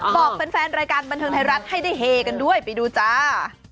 บอกแฟนรายการบันเทิงไทยรัฐให้ได้เฮกันด้วยไปดูจ้า